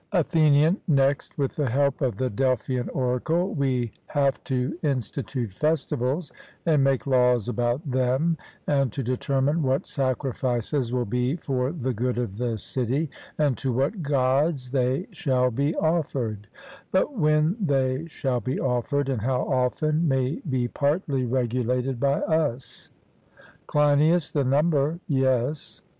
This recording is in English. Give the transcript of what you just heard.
ATHENIAN: Next, with the help of the Delphian oracle, we have to institute festivals and make laws about them, and to determine what sacrifices will be for the good of the city, and to what Gods they shall be offered; but when they shall be offered, and how often, may be partly regulated by us. CLEINIAS: The number yes.